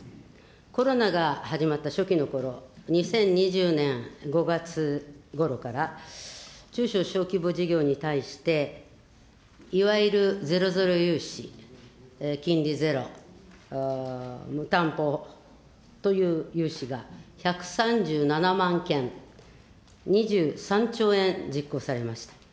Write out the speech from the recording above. コロナが始まった初期のころ、２０２０年５月ごろから、中小小規模事業に対して、いわゆるゼロゼロ融資、金利ゼロ、無担保という融資が、１３７万件、２３兆円実行されました。